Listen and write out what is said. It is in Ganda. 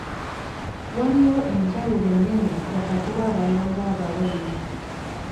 Waliwo enjawulo nnene wakati w'abalongo abo ababiri.